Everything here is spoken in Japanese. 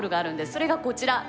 それがこちら。